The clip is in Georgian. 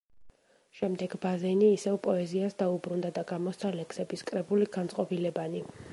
შემდეგ ბაზენი ისევ პოეზიას დაუბრუნდა და გამოსცა ლექსების კრებული „განწყობილებანი“.